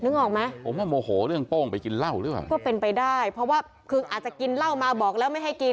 นึกออกไหมคือเป็นไปได้เพราะว่าคืออาจจะกินเหล้ามาบอกแล้วไม่ให้กิน